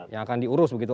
yang akan diurus begitu